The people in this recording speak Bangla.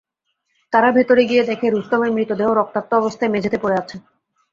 তারা ভেতরে গিয়ে দেখে রুস্তমের মৃতদেহ রক্তাক্ত অবস্থায় মেঝেতে পড়ে আছে।